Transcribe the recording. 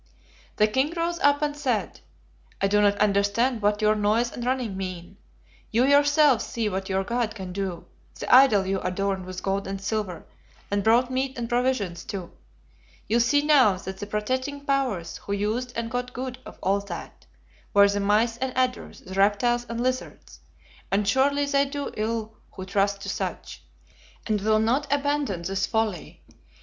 "The king rose up and said, 'I do not understand what your noise and running mean. You yourselves see what your God can do, the idol you adorned with gold and silver, and brought meat and provisions to. You see now that the protecting powers, who used and got good of all that, were the mice and adders, the reptiles and lizards; and surely they do ill who trust to such, and will not abandon this folly.